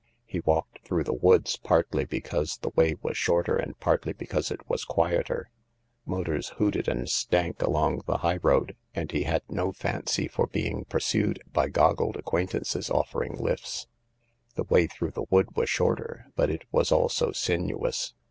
He walked through the woods, partly because the way was shorter and partly because it was quieter. Motors hooted and stank along the high road, and he had no fancy for being pursued by goggled acquaintances offering lifts. The way through the wood was shorter, but it was also sinuous.